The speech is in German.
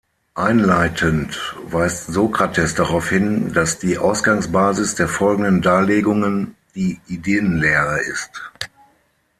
Einleitend weist Sokrates darauf hin, dass die Ausgangsbasis der folgenden Darlegungen die Ideenlehre ist.